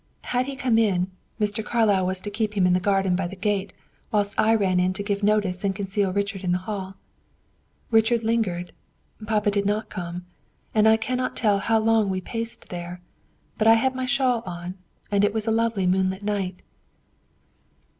Had he come in, Mr. Carlyle was to keep him in the garden by the gate whilst I ran in to give notice and conceal Richard in the hall. Richard lingered; papa did not come; and I cannot tell how long we paced there; but I had my shawl on, and it was a lovely moonlight night."